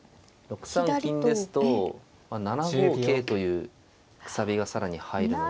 ６三金ですと７五桂というくさびが更に入るので。